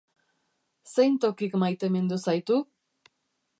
Zein tokik maitemindu zaitu?